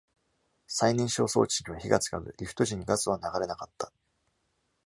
再燃焼装置には火が付かず、リフト時にガスは流れなかった。